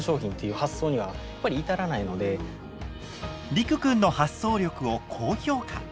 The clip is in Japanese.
りくくんの発想力を高評価。